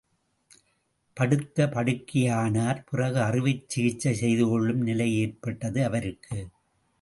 படுத்த படுக்கையானார் பிறகு அறுவைச் சிகிச்சை செய்து கொள்ளும் நிலையேற்பட்டது அவருக்கு!